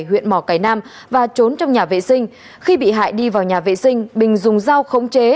huyện mò cày nam và trốn trong nhà vệ sinh khi bị hại đi vào nhà vệ sinh bình dùng dao không chế